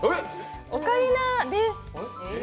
オカリナです。